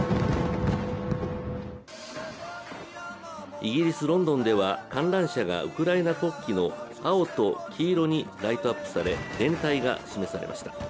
イギリス・ロンドンでは観覧車がウクライナ国旗の青と黄色にライトアップされ、連帯が示されました。